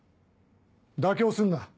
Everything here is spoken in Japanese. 妥協すんな